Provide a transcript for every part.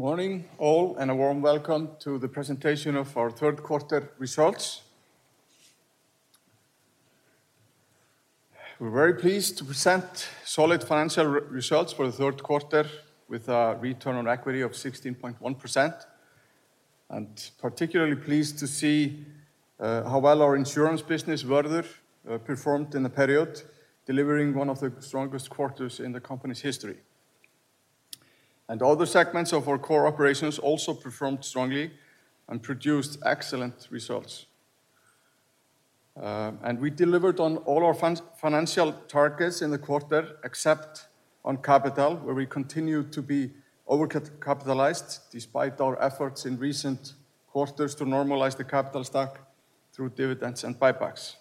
Good morning, all, and a warm welcome to the presentation of our third quarter results. We're very pleased to present solid financial results for the third quarter, with a return on equity of 16.1%, and particularly pleased to see how well our insurance business, Vörður, performed in the period, delivering one of the strongest quarters in the company's history. Other segments of our core operations also performed strongly and produced excellent results. We delivered on all our financial targets in the quarter, except on capital, where we continue to be overcapitalized despite our efforts in recent quarters to normalize the capital stock through dividends and buybacks,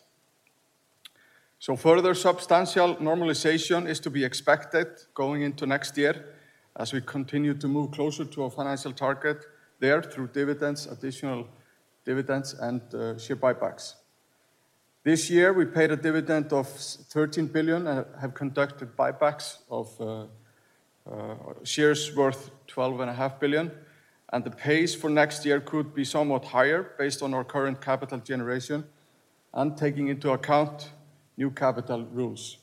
so further substantial normalization is to be expected going into next year, as we continue to move closer to our financial target there through dividends, additional dividends, and share buybacks. This year, we paid a dividend of 13 billion and have conducted buybacks of shares worth 12.5 billion. And the pace for next year could be somewhat higher, based on our current capital generation and taking into account new capital rules.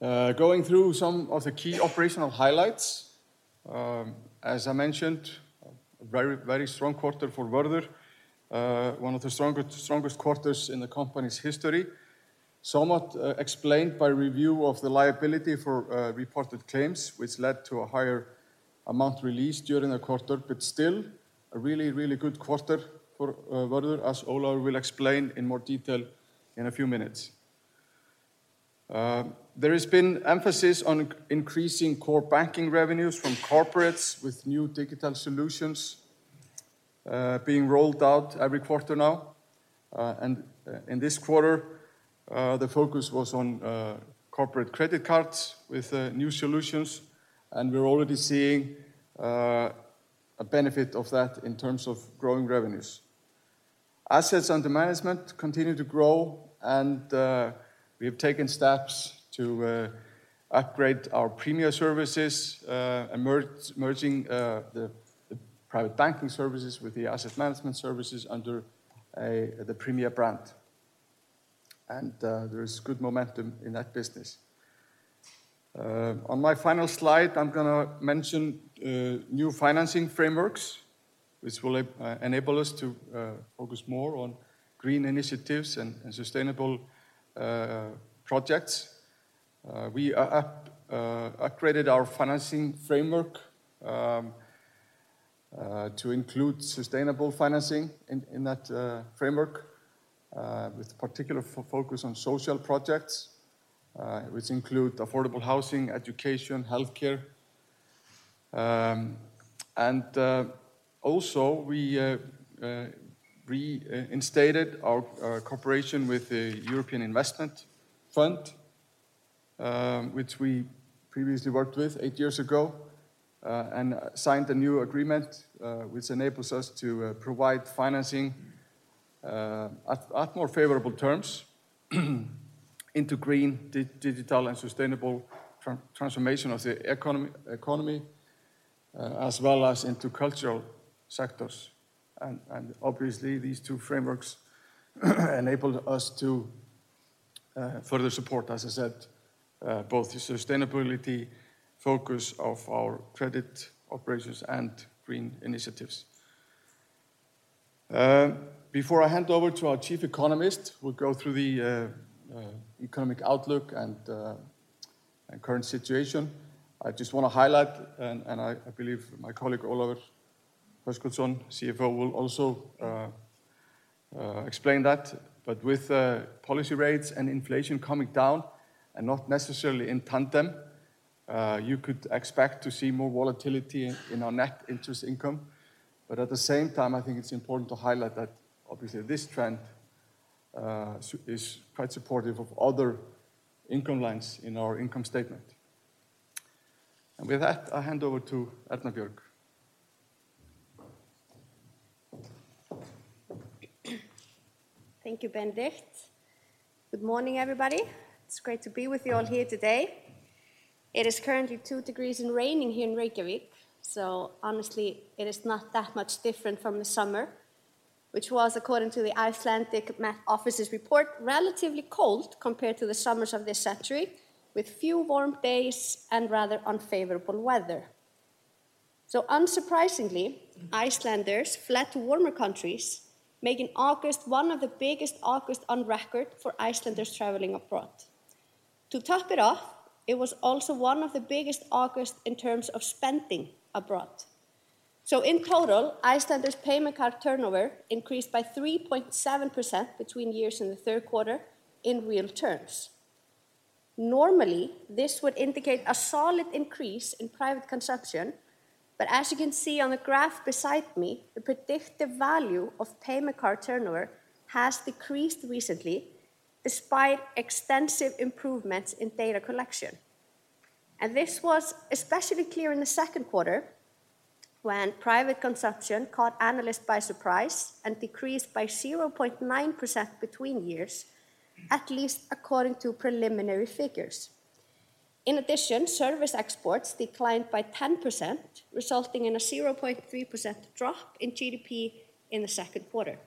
Going through some of the key operational highlights, as I mentioned, a very, very strong quarter for Vörður, one of the strongest quarters in the company's history, somewhat explained by review of the liability for reported claims, which led to a higher amount released during the quarter, but still a really, really good quarter for Vörður, as Oli will explain in more detail in a few minutes. There has been emphasis on increasing core banking revenues from corporates, with new digital solutions being rolled out every quarter now. In this quarter, the focus was on corporate credit cards with new solutions, and we're already seeing a benefit of that in terms of growing revenues. Assets under management continue to grow, and we have taken steps to upgrade our Premiim services, merging the private banking services with the asset management services under the Premium brand. There is good momentum in that business. On my final slide, I'm going to mention new financing frameworks, which will enable us to focus more on green initiatives and sustainable projects. We upgraded our financing framework to include sustainable financing in that framework, with particular focus on social projects, which include affordable housing, education, healthcare. And also, we reinstated our cooperation with the European Investment Fund, which we previously worked with eight years ago, and signed a new agreement, which enables us to provide financing at more favorable terms into green, digital, and sustainable transformation of the economy, as well as into cultural sectors. And obviously, these two frameworks enabled us to further support, as I said, both the sustainability focus of our credit operations and green initiatives. Before I hand over to our Chief Economist, we'll go through the economic outlook and current situation. I just want to highlight, and I believe my colleague Ólafur Höskuldsson, CFO, will also explain that. But with policy rates and inflation coming down, and not necessarily in tandem, you could expect to see more volatility in our net interest income. But at the same time, I think it's important to highlight that, obviously, this trend is quite supportive of other income lines in our income statement. And with that, I hand over to Erna Björg. Thank you, Benedikt. Good morning, everybody. It's great to be with you all here today. It is currently two degrees and raining here in Reykjavík, so honestly, it is not that much different from the summer, which was, according to the Icelandic Met Office's report, relatively cold compared to the summers of this century, with few warm days and rather unfavorable weather. So unsurprisingly, Icelanders fled to warmer countries, making August one of the biggest August on record for Icelanders traveling abroad. To top it off, it was also one of the biggest August in terms of spending abroad. So in total, Icelanders' payment card turnover increased by 3.7% between years in the third quarter in real terms. Normally, this would indicate a solid increase in private consumption, but as you can see on the graph beside me, the predictive value of payment card turnover has decreased recently, despite extensive improvements in data collection, and this was especially clear in the second quarter, when private consumption caught analysts by surprise and decreased by 0.9% between years, at least according to preliminary figures. In addition, service exports declined by 10%, resulting in a 0.3% drop in GDP in the second quarter.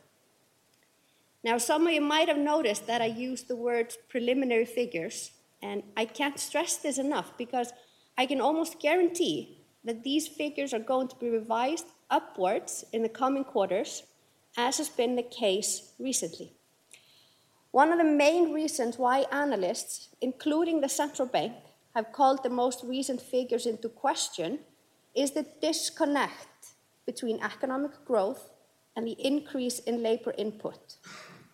Now, some of you might have noticed that I used the word preliminary figures, and I can't stress this enough because I can almost guarantee that these figures are going to be revised upwards in the coming quarters, as has been the case recently. One of the main reasons why analysts, including the Central Bank, have called the most recent figures into question is the disconnect between economic growth and the increase in labor input.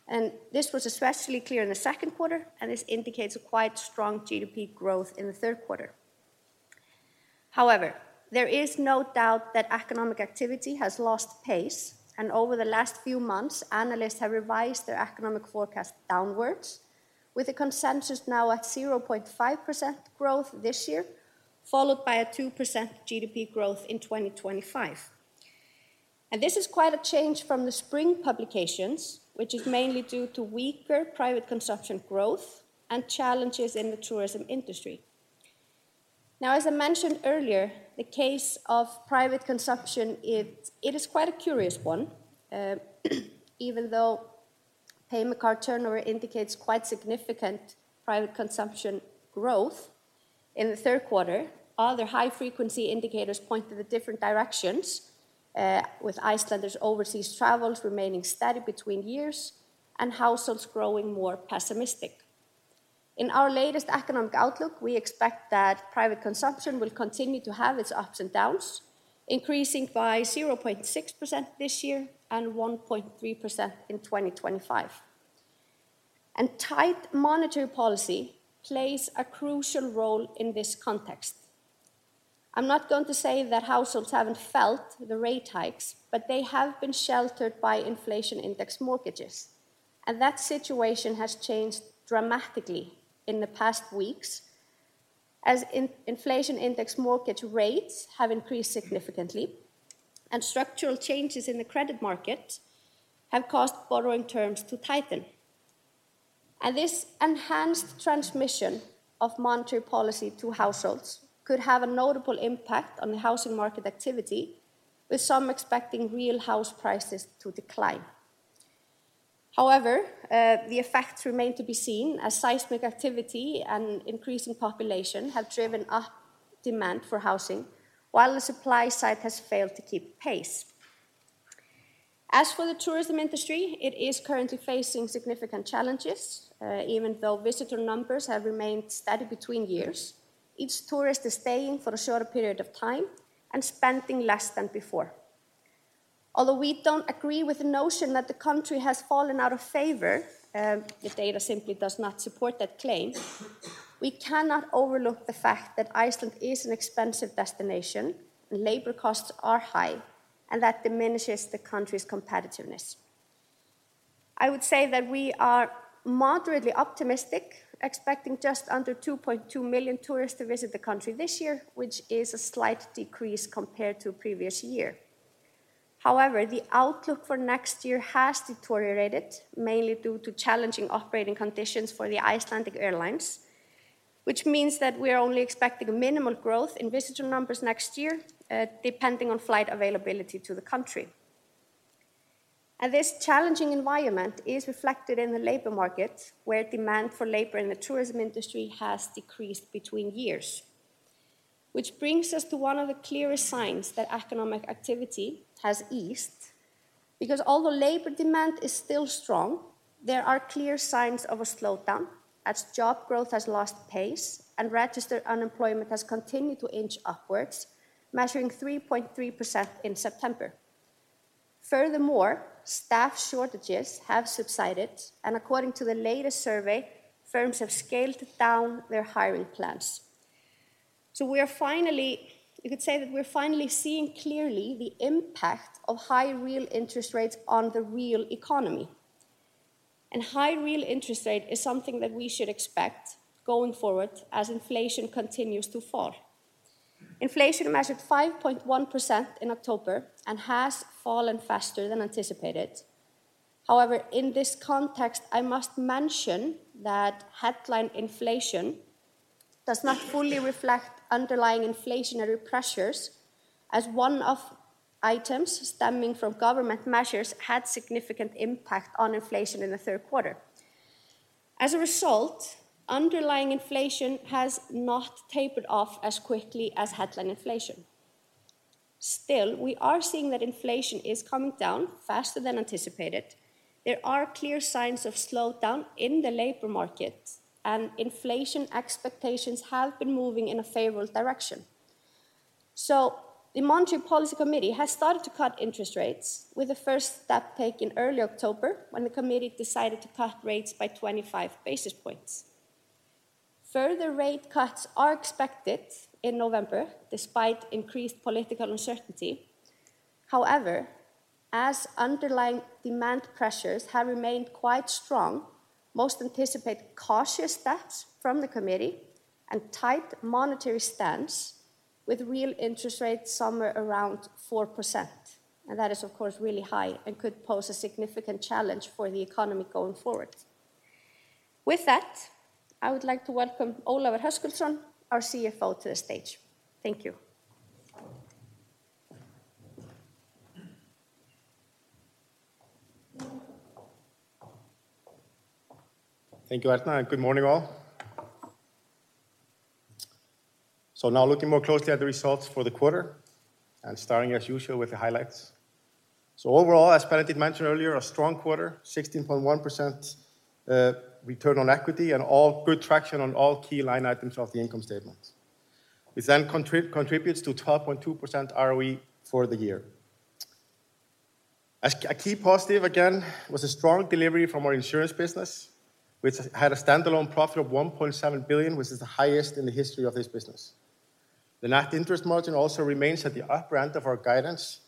And this was especially clear in the second quarter, and this indicates a quite strong GDP growth in the third quarter. However, there is no doubt that economic activity has lost pace, and over the last few months, analysts have revised their economic forecast downwards, with a consensus now at 0.5% growth this year, followed by a 2% GDP growth in 2025. And this is quite a change from the spring publications, which is mainly due to weaker private consumption growth and challenges in the tourism industry. Now, as I mentioned earlier, the case of private consumption. It is quite a curious one. Even though payment card turnover indicates quite significant private consumption growth in the third quarter, other high-frequency indicators point in different directions, with Icelanders' overseas travels remaining steady between years and households growing more pessimistic. In our latest economic outlook, we expect that private consumption will continue to have its ups and downs, increasing by 0.6% this year and 1.3% in 2025, and tight monetary policy plays a crucial role in this context. I'm not going to say that households haven't felt the rate hikes, but they have been sheltered by inflation-indexed mortgages, and that situation has changed dramatically in the past weeks, as inflation-indexed mortgage rates have increased significantly, and structural changes in the credit market have caused borrowing terms to tighten. This enhanced transmission of monetary policy to households could have a notable impact on the housing market activity, with some expecting real house prices to decline. However, the effects remain to be seen, as seismic activity and increasing population have driven up demand for housing, while the supply side has failed to keep pace. As for the tourism industry, it is currently facing significant challenges. Even though visitor numbers have remained steady between years, each tourist is staying for a shorter period of time and spending less than before. Although we don't agree with the notion that the country has fallen out of favor, the data simply does not support that claim. We cannot overlook the fact that Iceland is an expensive destination, and labor costs are high, and that diminishes the country's competitiveness. I would say that we are moderately optimistic, expecting just under 2.2 million tourists to visit the country this year, which is a slight decrease compared to a previous year. However, the outlook for next year has deteriorated, mainly due to challenging operating conditions for the Icelandic airlines, which means that we are only expecting minimal growth in visitor numbers next year, depending on flight availability to the country. And this challenging environment is reflected in the labor market, where demand for labor in the tourism industry has decreased between years, which brings us to one of the clearest signs that economic activity has eased. Because although labor demand is still strong, there are clear signs of a slowdown, as job growth has lost pace and registered unemployment has continued to inch upwards, measuring 3.3% in September. Furthermore, staff shortages have subsided, and according to the latest survey, firms have scaled down their hiring plans. So we are finally, you could say that we're finally seeing clearly the impact of high real interest rates on the real economy. And high real interest rate is something that we should expect going forward as inflation continues to fall. Inflation measured 5.1% in October and has fallen faster than anticipated. However, in this context, I must mention that headline inflation does not fully reflect underlying inflationary pressures, as one of the items stemming from government measures had significant impact on inflation in the third quarter. As a result, underlying inflation has not tapered off as quickly as headline inflation. Still, we are seeing that inflation is coming down faster than anticipated. There are clear signs of slowdown in the labor market, and inflation expectations have been moving in a favorable direction. So the Monetary Policy Committee has started to cut interest rates, with the first step taken early October when the committee decided to cut rates by 25 basis points. Further rate cuts are expected in November, despite increased political uncertainty. However, as underlying demand pressures have remained quite strong, most anticipate cautious steps from the committee and tight monetary stance, with real interest rates somewhere around 4%. And that is, of course, really high and could pose a significant challenge for the economy going forward. With that, I would like to welcome Ólafur Hrafn Höskuldsson, our CFO, to the stage. Thank you. Thank you, Erna, and good morning, all. Now looking more closely at the results for the quarter, and starting, as usual, with the highlights. Overall, as Benedikt mentioned earlier, a strong quarter, 16.1% return on equity, and all good traction on all key line items of the income statement, which then contributes to 12.2% ROE for the year. A key positive, again, was a strong delivery from our insurance business, which had a standalone profit of 1.7 billion, which is the highest in the history of this business. The net interest margin also remains at the upper end of our guidance,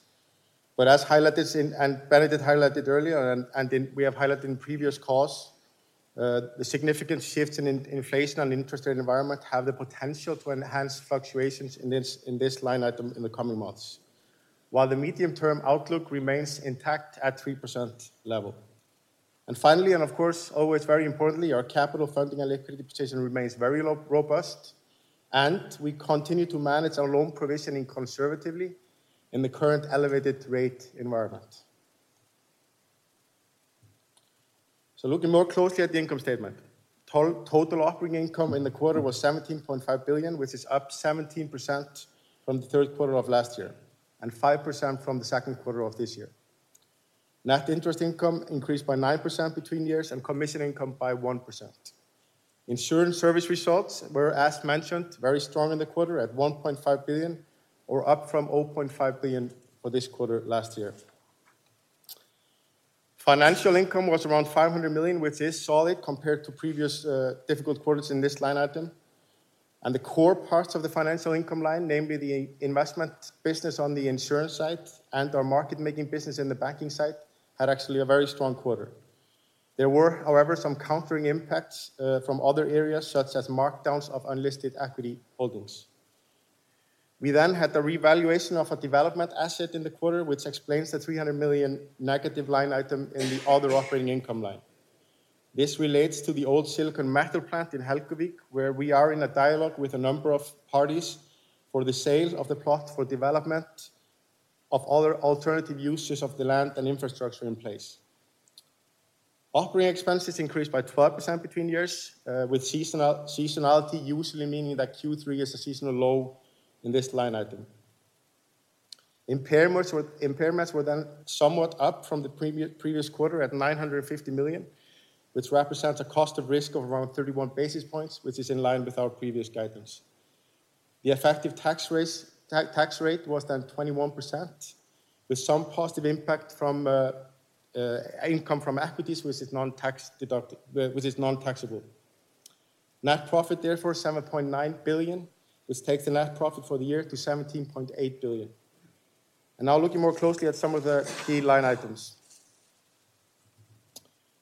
but as Benedikt highlighted earlier, and we have highlighted in previous calls, the significant shifts in inflation and interest rate environment have the potential to enhance fluctuations in this line item in the coming months, while the medium-term outlook remains intact at 3% level. And finally, and of course, always very importantly, our capital funding and liquidity position remains very robust, and we continue to manage our loan provisioning conservatively in the current elevated rate environment. So looking more closely at the income statement, total operating income in the quarter was 17.5 billion, which is up 17% from the third quarter of last year and 5% from the second quarter of this year. Net interest income increased by 9% between years and commission income by 1%. Insurance service results were, as mentioned, very strong in the quarter at 1.5 billion, or up from 0.5 billion for this quarter last year. Financial income was around 500 million, which is solid compared to previous difficult quarters in this line item. The core parts of the financial income line, namely the investment business on the insurance side and our market-making business in the banking side, had actually a very strong quarter. There were, however, some countering impacts from other areas, such as markdowns of unlisted equity holdings. We then had the revaluation of a development asset in the quarter, which explains the 300 million negative line item in the other operating income line. This relates to the old silicon metal plant in Helguvík, where we are in a dialogue with a number of parties for the sale of the plot for development of other alternative uses of the land and infrastructure in place. Operating expenses increased by 12% between years, with seasonality usually meaning that Q3 is a seasonal low in this line item. Impairments were then somewhat up from the previous quarter at 950 million, which represents a cost of risk of around 31 basis points, which is in line with our previous guidance. The effective tax rate was then 21%, with some positive impact from income from equities, which is non-taxable. Net profit, therefore, 7.9 billion, which takes the net profit for the year to 17.8 billion, and now looking more closely at some of the key line items,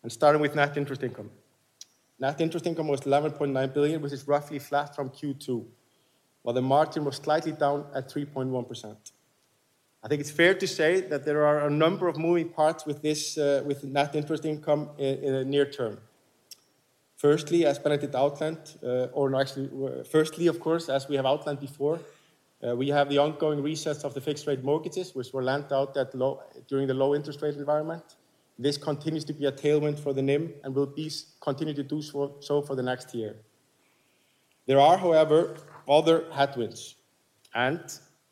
and starting with net interest income. Net interest income was 11.9 billion, which is roughly flat from Q2, while the margin was slightly down at 3.1%. I think it's fair to say that there are a number of moving parts with this net interest income in the near term. Firstly, as Benedikt outlined, or actually, firstly, of course, as we have outlined before, we have the ongoing resets of the fixed-rate mortgages, which were lent out during the low interest rate environment. This continues to be a tailwind for the NIM and will continue to do so for the next year. There are, however, other headwinds. And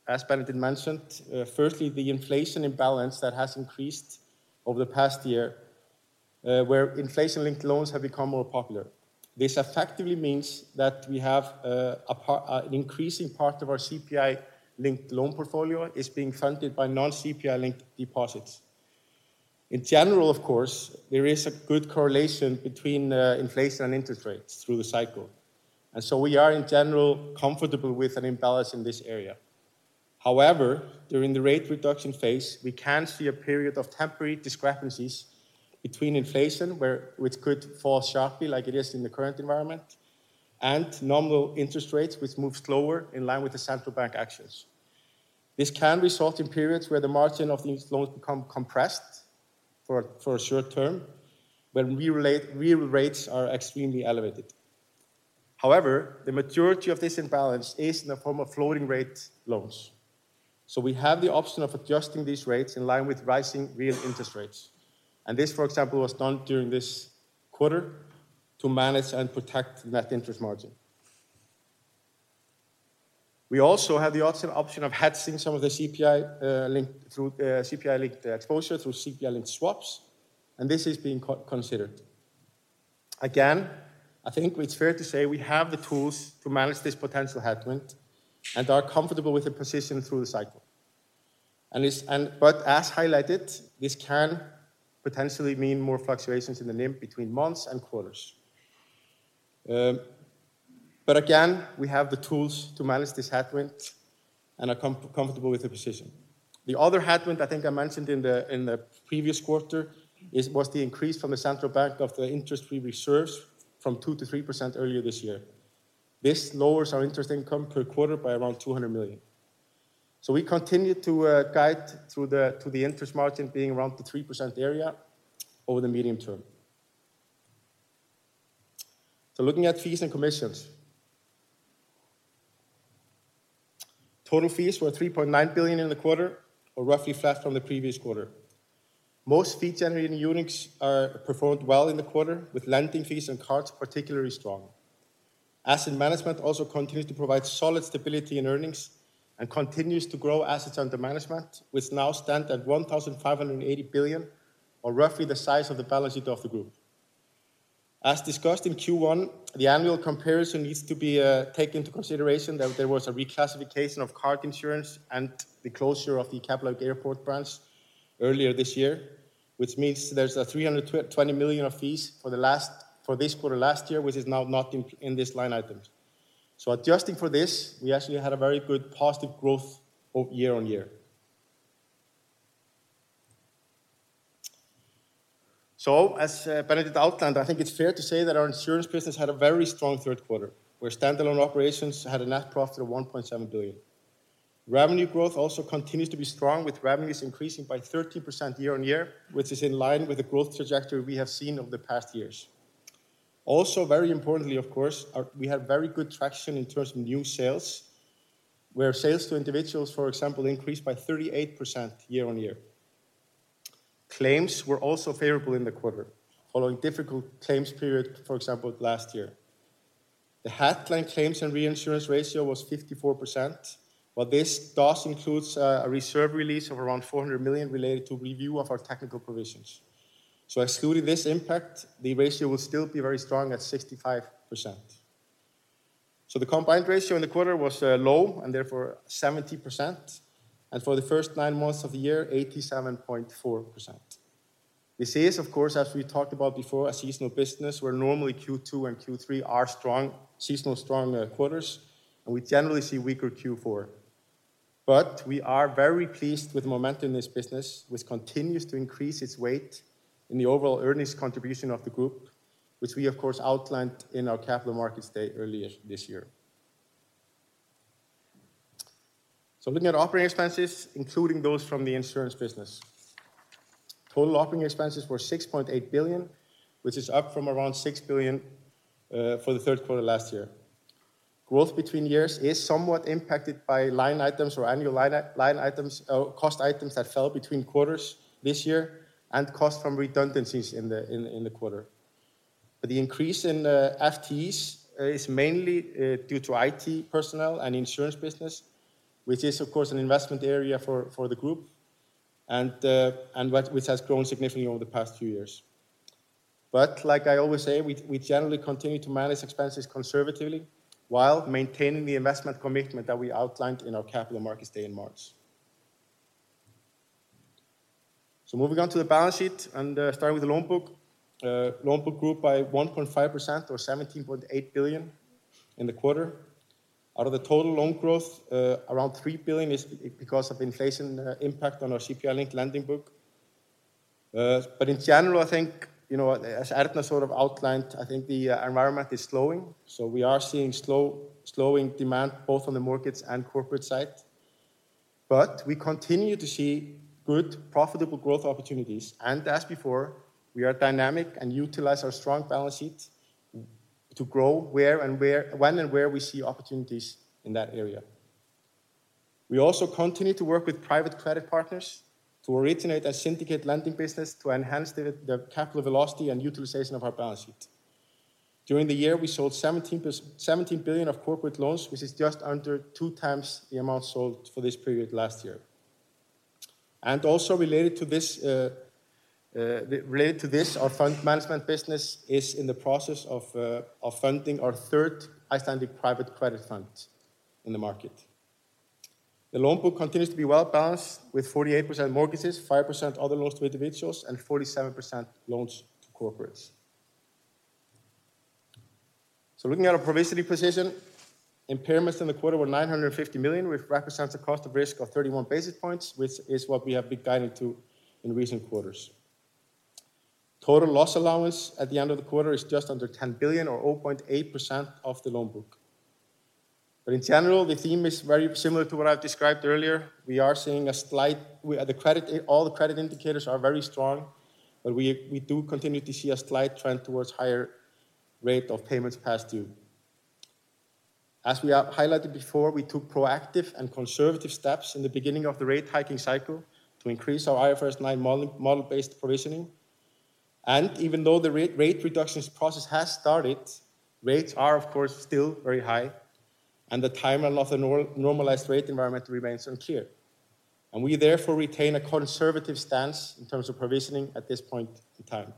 as Benedikt mentioned, firstly, the inflation imbalance that has increased over the past year, where inflation-linked loans have become more popular. This effectively means that we have an increasing part of our CPI-linked loan portfolio is being funded by non-CPI-linked deposits. In general, of course, there is a good correlation between inflation and interest rates through the cycle. And so we are, in general, comfortable with an imbalance in this area. However, during the rate reduction phase, we can see a period of temporary discrepancies between inflation, which could fall sharply like it is in the current environment, and nominal interest rates, which move slower in line with the central bank actions. This can result in periods where the margin of these loans becomes compressed for a short-term when real rates are extremely elevated. However, the majority of this imbalance is in the form of floating-rate loans. So we have the option of adjusting these rates in line with rising real interest rates, and this, for example, was done during this quarter to manage and protect net interest margin. We also have the option of hedging some of the CPI-linked exposure through CPI-linked swaps, and this is being considered. Again, I think it's fair to say we have the tools to manage this potential headwind and are comfortable with the position through the cycle. And as highlighted, this can potentially mean more fluctuations in the NIM between months and quarters. But again, we have the tools to manage this headwind and are comfortable with the position. The other headwind I think I mentioned in the previous quarter was the increase from the central bank of the interest-free reserves from 2% to 3% earlier this year. This lowers our interest income per quarter by around 200 million. So we continue to guide through the interest margin being around the 3% area over the medium term. So looking at fees and commissions, total fees were 3.9 billion in the quarter, or roughly flat from the previous quarter. Most fee-generating units performed well in the quarter, with lending fees and cards particularly strong. Asset management also continues to provide solid stability in earnings and continues to grow assets under management, which now stands at 1,580 billion, or roughly the size of the balance sheet of the group. As discussed in Q1, the annual comparison needs to be taken into consideration that there was a reclassification of card insurance and the closure of the Keflavík Airport branch earlier this year, which means there's a 320 million of fees for this quarter last year, which is now not in this line item. So adjusting for this, we actually had a very good positive growth year on year. So as Benedikt outlined, I think it's fair to say that our insurance business had a very strong third quarter, where standalone operations had a net profit of 1.7 billion. Revenue growth also continues to be strong, with revenues increasing by 13% year-on-year, which is in line with the growth trajectory we have seen over the past years. Also, very importantly, of course, we had very good traction in terms of new sales, where sales to individuals, for example, increased by 38% year on year. Claims were also favorable in the quarter, following a difficult claims period, for example, last year. The headline claims and reinsurance ratio was 54%, while this does include a reserve release of around 400 million related to review of our technical provisions. So excluding this impact, the ratio will still be very strong at 65%. So the combined ratio in the quarter was low and therefore 70%, and for the first nine months of the year, 87.4%. This is, of course, as we talked about before, a seasonal business, where normally Q2 and Q3 are seasonal strong quarters, and we generally see weaker Q4. But we are very pleased with the momentum in this business, which continues to increase its weight in the overall earnings contribution of the group, which we, of course, outlined in our Capital Markets Day earlier this year. So looking at operating expenses, including those from the insurance business, total operating expenses were 6.8 billion, which is up from around 6 billion for the third quarter last year. Growth between years is somewhat impacted by line items or annual line items, cost items that fell between quarters this year and cost from redundancies in the quarter. But the increase in FTEs is mainly due to IT personnel and insurance business, which is, of course, an investment area for the group, and which has grown significantly over the past few years. But like I always say, we generally continue to manage expenses conservatively while maintaining the investment commitment that we outlined in our Capital Markets May in March. So moving on to the balance sheet and starting with the loan book, loan book grew by 1.5%, or 17.8 billion ISK, in the quarter. Out of the total loan growth, around 3 billion ISK is because of inflation impact on our CPI-linked lending book. But in general, I think, as Erna sort of outlined, I think the environment is slowing. So we are seeing slowing demand both on the markets and corporate side. But we continue to see good profitable growth opportunities. And as before, we are dynamic and utilize our strong balance sheet to grow where and when and where we see opportunities in that area. We also continue to work with private credit partners to originate a syndicate lending business to enhance the capital velocity and utilization of our balance sheet. During the year, we sold 17 billion of corporate loans, which is just under two times the amount sold for this period last year. And also related to this, our fund management business is in the process of funding our third Icelandic private credit fund in the market. The loan book continues to be well balanced with 48% mortgages, 5% other loans to individuals, and 47% loans to corporates. So looking at our provisioning position, impairments in the quarter were 950 million, which represents a cost of risk of 31 basis points, which is what we have been guided to in recent quarters. Total loss allowance at the end of the quarter is just under 10 billion, or 0.8% of the loan book. But in general, the theme is very similar to what I've described earlier. We are seeing a slight, all the credit indicators are very strong, but we do continue to see a slight trend towards higher rate of payments past due. As we highlighted before, we took proactive and conservative steps in the beginning of the rate hiking cycle to increase our IFRS 9 model-based provisioning. And even though the rate reduction process has started, rates are, of course, still very high, and the timeline of the normalized rate environment remains unclear. We therefore retain a conservative stance in terms of provisioning at this point in time.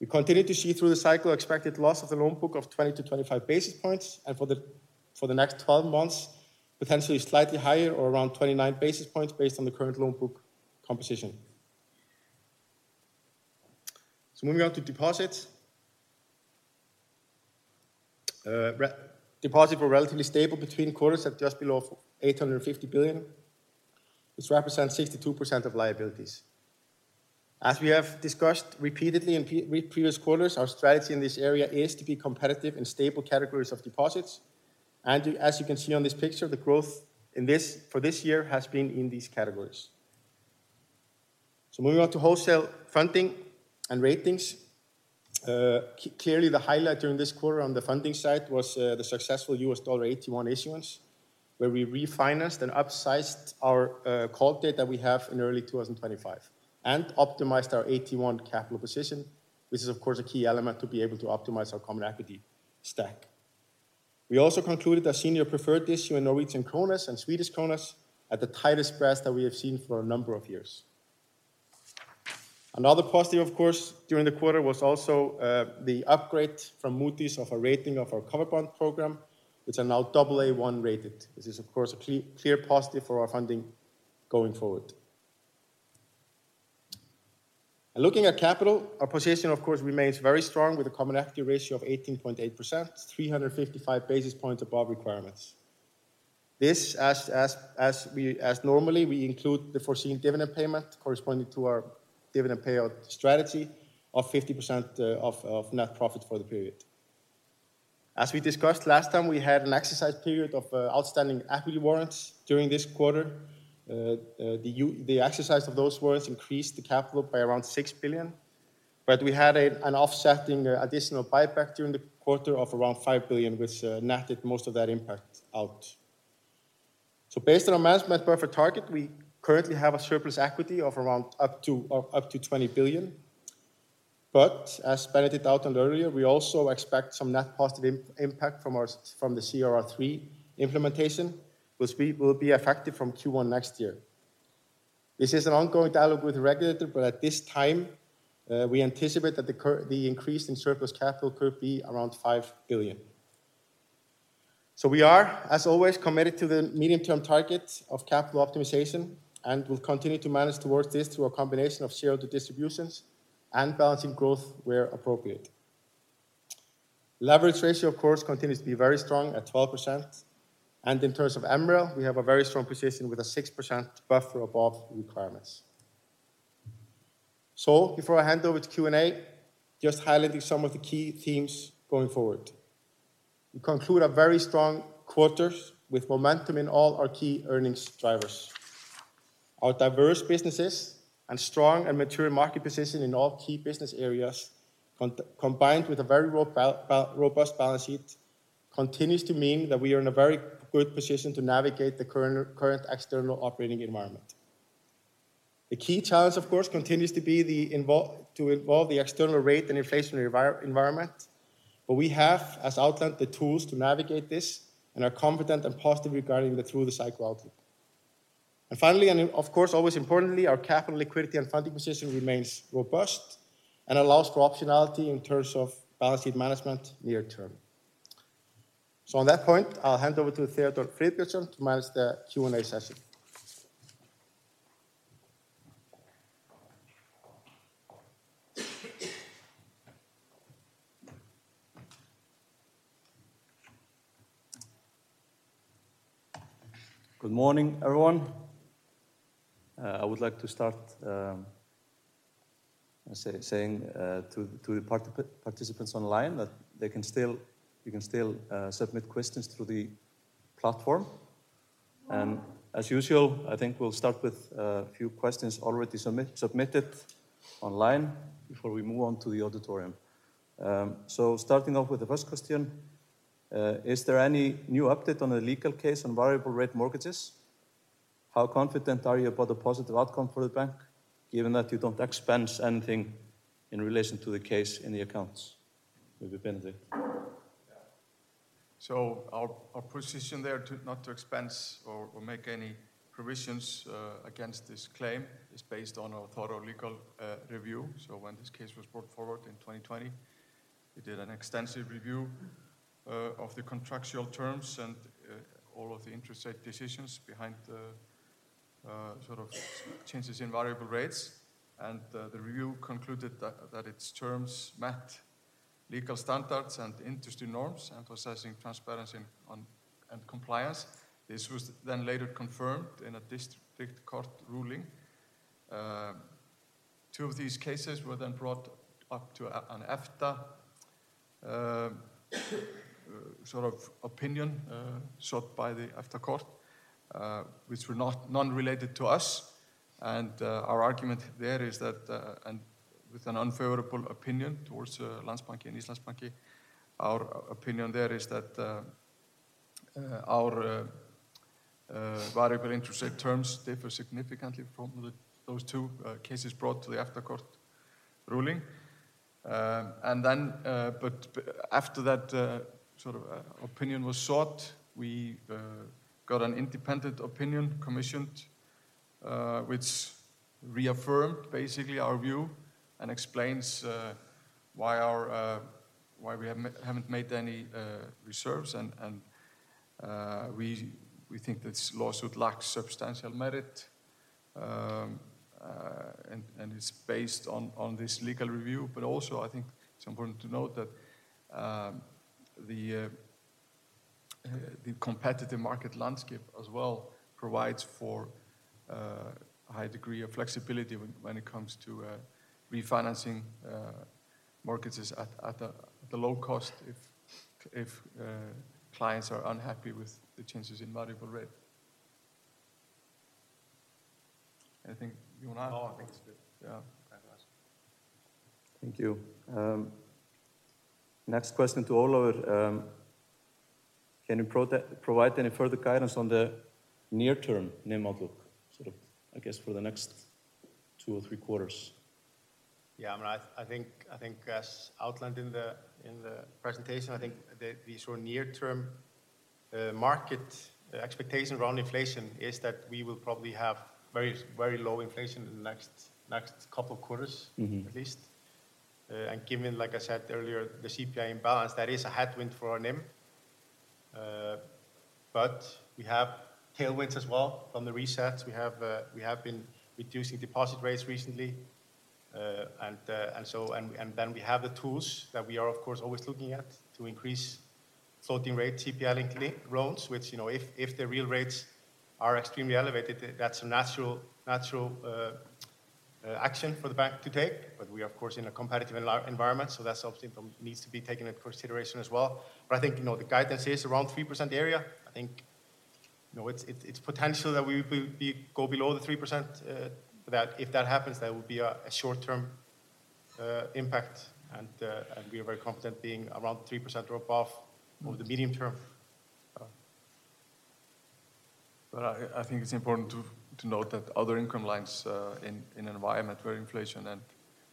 We continue to see through the cycle expected loss of the loan book of 20-25 basis points and for the next 12 months, potentially slightly higher or around 29 basis points based on the current loan book composition. Moving on to deposits. Deposits were relatively stable between quarters at just below 850 billion, which represents 62% of liabilities. As we have discussed repeatedly in previous quarters, our strategy in this area is to be competitive in stable categories of deposits. As you can see on this picture, the growth for this year has been in these categories. Moving on to wholesale funding and ratings. Clearly, the highlight during this quarter on the funding side was the successful US dollar AT1 issuance, where we refinanced and upsized our call date that we have in early 2025 and optimized our AT1 capital position, which is, of course, a key element to be able to optimize our common equity stack. We also concluded a senior preferred issue in Norwegian kroner and Swedish kroner at the tightest price that we have seen for a number of years. Another positive, of course, during the quarter was also the upgrade from Moody's of our rating of our covered bond program, which is now Aa1 rated. This is, of course, a clear positive for our funding going forward. And looking at capital, our position, of course, remains very strong with a common equity ratio of 18.8%, 355 basis points above requirements. This, as normally, we include the foreseen dividend payment corresponding to our dividend payout strategy of 50% of net profit for the period. As we discussed last time, we had an exercise period of outstanding equity warrants during this quarter. The exercise of those warrants increased the capital by around 6 billion ISK, but we had an offsetting additional buyback during the quarter of around 5 billion ISK, which netted most of that impact out. So based on our management perfect target, we currently have a surplus equity of around up to 20 billion ISK. But as Benedikt outlined earlier, we also expect some net positive impact from the CRR3 implementation, which will be effective from Q1 next year. This is an ongoing dialogue with the regulator, but at this time, we anticipate that the increase in surplus capital could be around 5 billion ISK. So we are, as always, committed to the medium-term target of capital optimization and will continue to manage towards this through a combination of shareholder distributions and balancing growth where appropriate. Leverage ratio, of course, continues to be very strong at 12%. And in terms of MREL, we have a very strong position with a 6% buffer above requirements. So before I hand over to Q&A, just highlighting some of the key themes going forward. We conclude a very strong quarter with momentum in all our key earnings drivers. Our diverse businesses and strong and mature market position in all key business areas, combined with a very robust balance sheet, continues to mean that we are in a very good position to navigate the current external operating environment. The key challenge, of course, continues to be to evolve the external rate and inflationary environment, but we have, as outlined, the tools to navigate this and are confident and positive regarding the through-the-cycle outlook. And finally, and of course, always importantly, our capital liquidity and funding position remains robust and allows for optionality in terms of balance sheet management near term. So on that point, I'll hand over to Theodór Friðbertsson to manage the Q&A session. Good morning, everyone. I would like to start saying to the participants online that you can still submit questions through the platform. And as usual, I think we'll start with a few questions already submitted online before we move on to the auditorium. So starting off with the first question, is there any new update on the legal case on variable rate mortgages? How confident are you about the positive outcome for the bank, given that you don't expense anything in relation to the case in the accounts? Maybe Benedikt. Yeah. So our position there to not expense or make any provisions against this claim is based on our thorough legal review. So when this case was brought forward in 2020, we did an extensive review of the contractual terms and all of the interest rate decisions behind the sort of changes in variable rates. And the review concluded that its terms met legal standards and industry norms, emphasizing transparency and compliance. This was then later confirmed in a district court ruling. Two of these cases were then brought up to an expert opinion sought by the higher court, which were non-related to us. And our argument there is that, and with an unfavorable opinion towards Landsbankinn and Islandsbanki, our opinion there is that our variable interest rate terms differ significantly from those two cases brought to the EFTA Court ruling. And then, but after that sort of opinion was sought, we got an independent opinion commissioned, which reaffirmed basically our view and explains why we haven't made any reserves. And we think this lawsuit lacks substantial merit, and it's based on this legal review. But also, I think it's important to note that the competitive market landscape as well provides for a high degree of flexibility when it comes to refinancing mortgages at a low cost if clients are unhappy with the changes in variable rate. Anything you want to add? No, I think it's good. Yeah. Thank you. Next question to all of us. Can you provide any further guidance on the near-term NIM outlook, sort of, I guess, for the next two or three quarters? Yeah, I mean, I think, as outlined in the presentation, I think the sort of near-term market expectation around inflation is that we will probably have very, very low inflation in the next couple of quarters, at least. And given, like I said earlier, the CPI imbalance, that is a headwind for our NIM. But we have tailwinds as well from the resets. We have been reducing deposit rates recently. And then we have the tools that we are, of course, always looking at to increase floating rate CPI linked loans, which, if the real rates are extremely elevated, that's a natural action for the bank to take. But we are, of course, in a competitive environment, so that's something that needs to be taken into consideration as well. But I think the guidance is around 3% area. I think it's potential that we go below the 3%. If that happens, that would be a short-term impact. And we are very confident being around 3% drop-off over the medium term. But I think it's important to note that other income lines in an environment where inflation and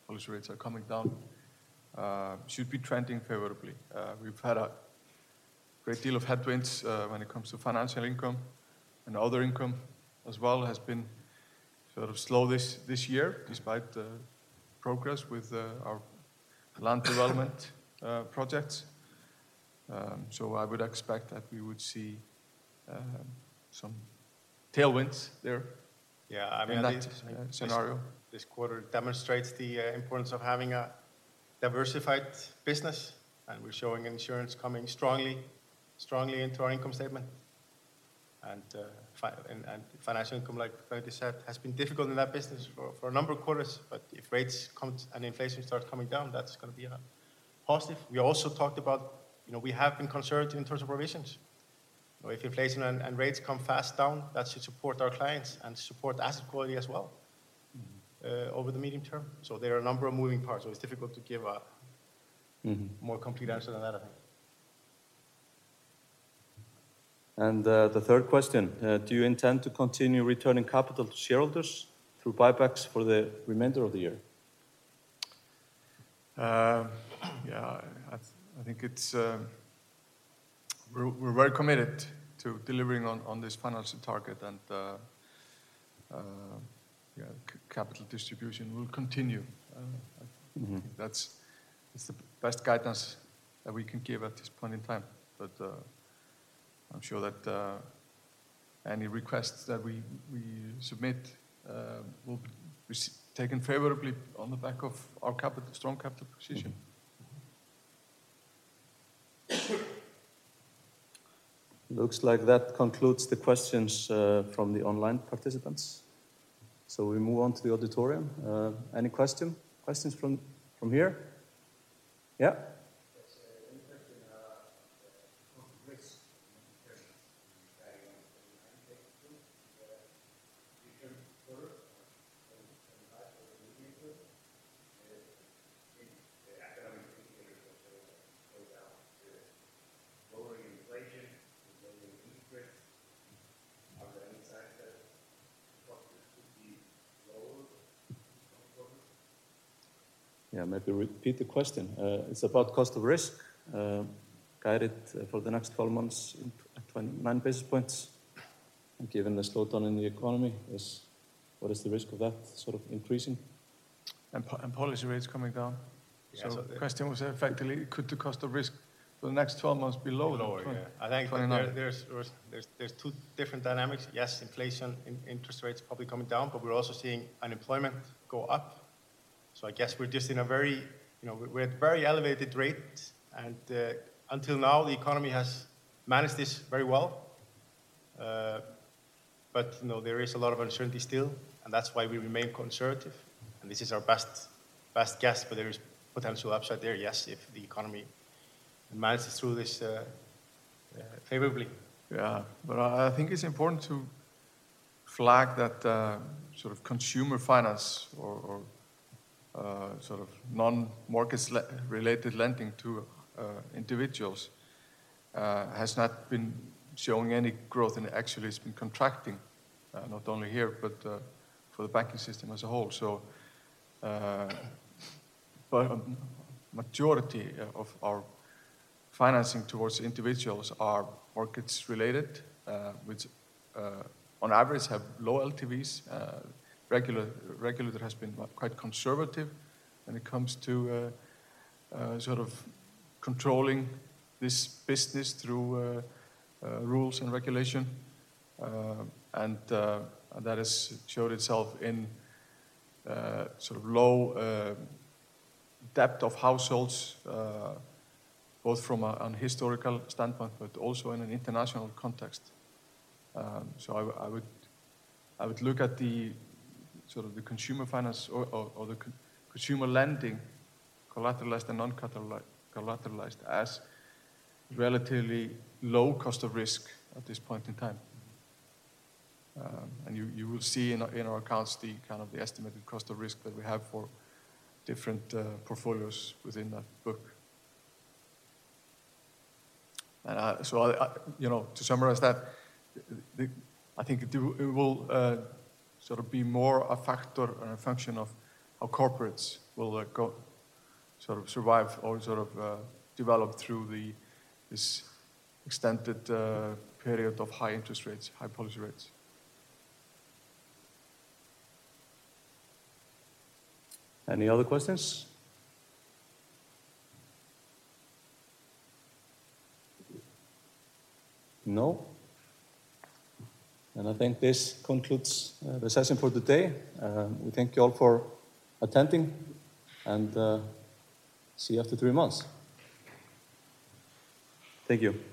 policy rates are coming down should be trending favorably. We've had a great deal of headwinds when it comes to financial income, and other income as well has been sort of slow this year, despite the progress with our land development projects. So I would expect that we would see some tailwinds there. Yeah, I mean, that scenario this quarter demonstrates the importance of having a diversified business, and we're showing insurance coming strongly into our income statement. And financial income, like Benedikt said, has been difficult in that business for a number of quarters. But if rates come and inflation starts coming down, that's going to be positive. We also talked about we have been conservative in terms of provisions. If inflation and rates come fast down, that should support our clients and support asset quality as well over the medium term. So there are a number of moving parts, so it's difficult to give a more complete answer than that, I think. And the third question, do you intend to continue returning capital to shareholders through buybacks for the remainder of the year? Yeah, I think we're very committed to delivering on this financial target, and capital distribution will continue. That's the best guidance that we can give at this point in time. But I'm sure that any requests that we submit will be taken favorably on the back of our strong capital position. Looks like that concludes the questions from the online participants. So we move on to the auditorium. Any questions from here? Yeah? There's an impact in the risk of managing variable rate returns further and back over the medium term. I think the economic indicators are showing that it goes down to lowering inflation, lowering interest. Are there any signs that the cost of risk could be lowered in some quarters? Yeah, maybe repeat the question. It's about cost of risk. Guided for the next 12 months at 29 basis points. And given the slowdown in the economy, what is the risk of that sort of increasing? And policy rates coming down. So the question was, effectively, could the cost of risk for the next 12 months be lower? Lower. I think there's two different dynamics. Yes, inflation, interest rates probably coming down, but we're also seeing unemployment go up. So I guess we're just at very elevated rates. And until now, the economy has managed this very well. But there is a lot of uncertainty still, and that's why we remain conservative. And this is our best guess, but there is potential upside there, yes, if the economy manages through this favorably. Yeah, but I think it's important to flag that sort of consumer finance or sort of non-market-related lending to individuals has not been showing any growth and actually has been contracting, not only here, but for the banking system as a whole. But the majority of our financing towards individuals are markets related, which on average have low LTVs. Regulator has been quite conservative when it comes to sort of controlling this business through rules and regulation. And that has showed itself in sort of low debt of households, both from a historical standpoint, but also in an international context. So I would look at the sort of the consumer finance or the consumer lending collateralized and non-collateralized as relatively low cost of risk at this point in time. And you will see in our accounts the kind of the estimated cost of risk that we have for different portfolios within that book. And so to summarize that, I think it will sort of be more a factor and a function of how corporates will sort of survive or sort of develop through this extended period of high interest rates, high policy rates. Any other questions? No? And I think this concludes the session for today. We thank you all for attending and see you after three months. Thank you.